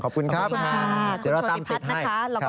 ขอบคุณค่ะคุณโชดีพรรดิแรกตั้งคำ